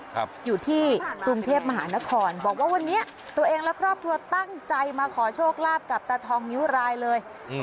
ครับอยู่ที่กรุงเทพมหานครบอกว่าวันนี้ตัวเองและครอบครัวตั้งใจมาขอโชคลาภกับตาทองนิ้วรายเลยอืม